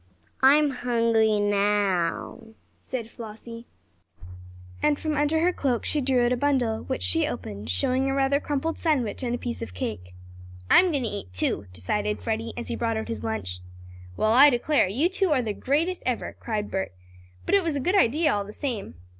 "I'm hungry now," said Flossie, and from under her cloak she drew out a bundle, which she opened, showing a rather crumpled sandwich and a piece of cake. "I'm going to eat, too," decided Freddie, as he brought out his lunch. "Well, I declare; you two are the greatest ever!" cried Bert. "But it was a good idea all the same!"